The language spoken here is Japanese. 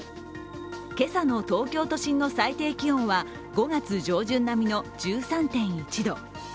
今朝の東京都心の最低気温は５月上旬並みの１３．１度。